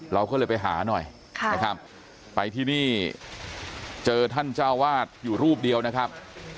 เราก็เลยไปหาหน่อยนะครับไปที่นี่เจอท่านเจ้าวาดอยู่รูปเดียวนะครับ